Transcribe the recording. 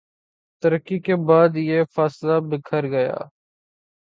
ترکی کے بعد یہ قافلہ بکھر گیا